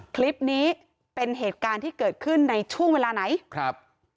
คลิปนี้เป็นเหตุการณ์ที่เกิดขึ้นในช่วงเวลาไหนครับ